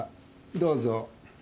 どうぞ。